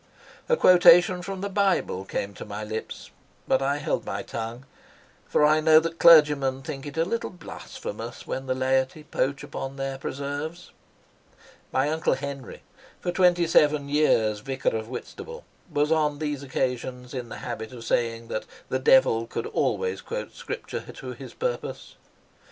A quotation from the Bible came to my lips, but I held my tongue, for I know that clergymen think it a little blasphemous when the laity poach upon their preserves. My Uncle Henry, for twenty seven years Vicar of Whitstable, was on these occasions in the habit of saying that the devil could always quote scripture to his purpose.